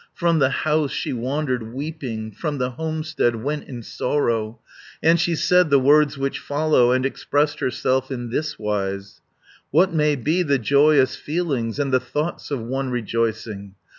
From the house she wandered weeping, From the homestead went in sorrow, And she said the words which follow, And expressed herself in this wise: 'What may be the joyous feelings, And the thoughts of one rejoicing?